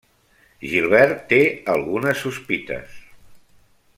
Gilbert té algunes sospites.